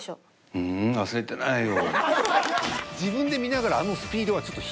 「ううん忘れてないよ」。